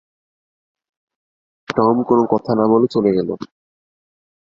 Tom কোনো কথা না বলে চলে গেল।